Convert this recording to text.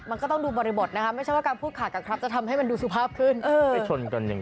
มันก็ต้องดูบริบทไม่ใช่การพูดขาดกับครับจะทำให้มันดูสุภาพขึ้น